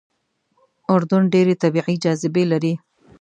اردن ډېرې طبیعي جاذبې لري.